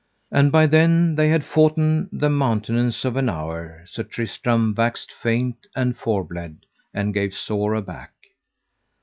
And by then they had foughten the mountenance of an hour Sir Tristram waxed faint and for bled, and gave sore aback.